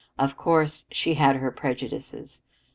Of course, she had her prejudices.